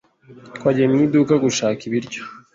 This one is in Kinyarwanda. Twagiye mu iduka gushaka ibiryo.